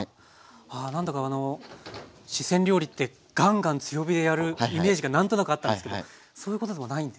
あ何だかあの四川料理ってガンガン強火でやるイメージが何となくあったんですけどそういうことでもないんですね。